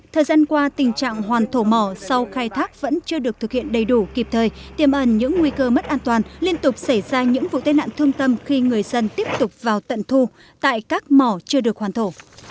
thời gian qua tình trạng hoàn thổ mỏ sau khai thác vẫn chưa được thực hiện đầy đủ kịp thời tiêm ẩn những nguy cơ mất an toàn liên tục xảy ra những vụ tên nạn thương tâm khi người dân tiếp tục vào tận thu tại các mỏ chưa được hoàn thổ